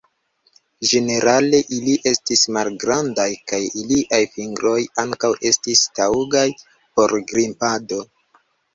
Ĝenerale ili estis malgrandaj, kaj iliaj fingroj ankaŭ estis taŭgaj por grimpado.